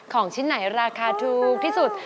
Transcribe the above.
ของชิ้นไหนราคาถูกที่สุด